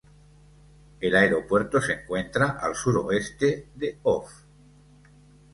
El aeropuerto se encuentra a al suroeste de Hof.